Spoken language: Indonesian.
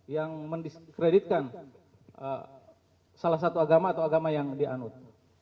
yang mendiskreditkan salah satu agama atau agama yang dianut